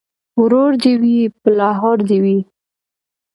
ـ ورور دې وي په لاهور دې وي.